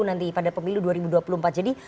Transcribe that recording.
nanti pada pemilu dua ribu dua puluh empat jadi